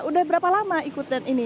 udah berapa lama ikutan ini